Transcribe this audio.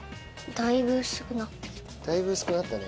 だいぶ薄くなったね。